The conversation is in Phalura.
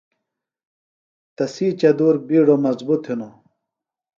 تسی چدُور بِیڈوۡ مظبُط ہِنوۡ۔